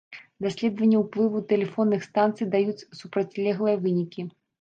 Даследаванні ўплыву тэлефонных станцый даюць супрацьлеглыя вынікі.